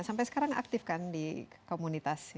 sampai sekarang aktif kan di komunitas